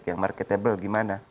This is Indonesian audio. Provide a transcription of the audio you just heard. yang marketable gimana